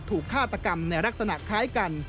ถูกฆาตกรรมในลักษณะคล้ายกัน